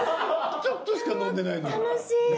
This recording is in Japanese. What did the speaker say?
ちょっとしか飲んでないのに。